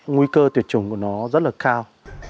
nguy cơ tuyệt chủng của nó rất là cao